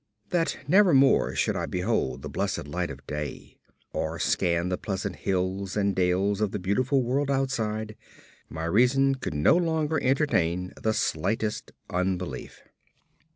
That nevermore should I behold the blessed light of day, or scan the pleasant hills and dales of the beautiful world outside, my reason could no longer entertain the slightest unbelief.